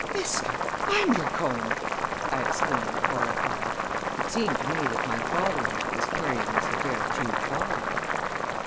"Mr. Bundercombe!" I exclaimed, horrified; it seemed to me that my father in law was carrying this affair too far.